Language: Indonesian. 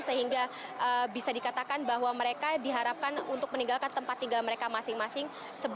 sehingga bisa dikatakan bahwa mereka diharapkan untuk meninggalkan tempat tinggal mereka masing masing